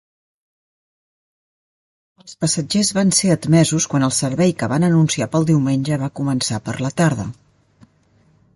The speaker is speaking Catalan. Els passatgers van ser admesos quan el servei que van anunciar pel diumenge va començar per la tarda.